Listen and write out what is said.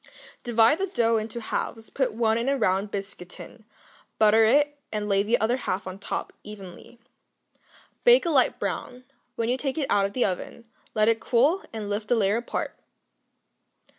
Divide the dough into halves; put one in a round biscuit tin, butter it, and lay the other half on top, evenly. Bake a light brown; when you take it out of the oven, let it cool, and then lift the layer apart.